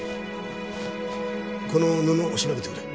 この布を調べてくれ。